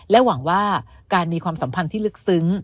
หวังว่าการมีความสัมพันธ์ที่ลึกซึ้ง